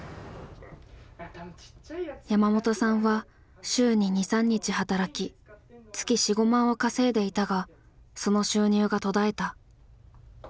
山本さんは週に２３日働き月４５万を稼いでいたがその収入が途絶えた。